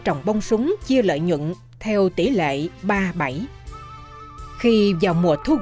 trồng bông súng cũng rất cực công củ hoa súng phải được ương cho lên cây rồi mới mang ra ao trồng